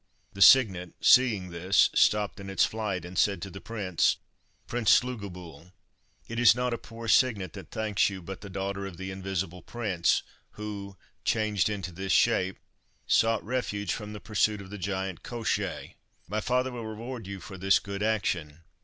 The cygnet seeing this stopped in its flight, and said to the prince— "Prince Slugobyl, it is not a poor cygnet that thanks you, but the daughter of the Invisible Prince, who, changed into this shape, sought refuge from the pursuit of the giant Koshchei. My father will reward you for this good action.